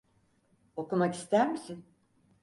Okumak ister misin?